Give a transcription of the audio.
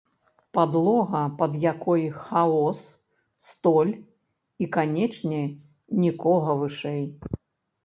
Падлога, пад якой хаос, столь і, канечне, нікога вышэй.